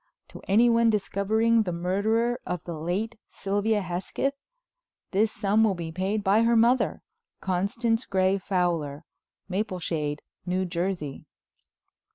TO ANYONE DISCOVERING THE MURDERER OF THE LATE SYLVIA HESKETH, THIS SUM WILL BE PAID BY HER MOTHER, CONSTANCE GREY FOWLER, MAPLESHADE, NEW JERSEY.